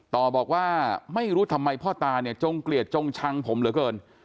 ต่อบอกว่าไม่รู้ทำไมพ่อตาเนี่ยจงเกลียดจงชังผมเหลือเกิน